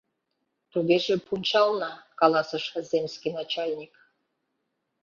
- Тугеже, пунчална, - каласыш земский начальник.